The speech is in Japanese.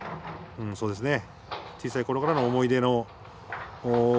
うんそうですね。